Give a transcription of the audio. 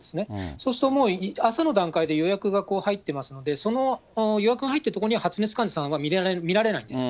そうするともう、朝の段階で予約が入ってますので、その予約が入っているところに発熱患者さんは診られないんですよ。